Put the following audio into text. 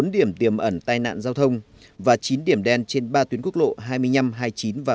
một mươi bốn điểm tiềm ẩn tai nạn giao thông và chín điểm đen trên ba tuyến quốc lộ hai mươi năm hai mươi chín và một mươi chín c